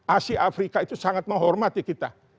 asia afrika itu sangat menghormati kita